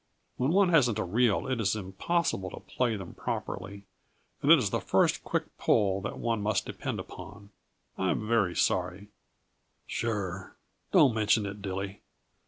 When one hasn't a reel it is impossible to play them properly, and it is the first quick pull that one must depend upon. I'm very sorry " "Sure. Don't mention it, Dilly.